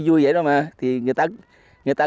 vui vậy thôi mà thì người ta